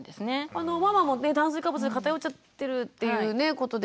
あのママも炭水化物で偏っちゃってるっていうことでしたけれども。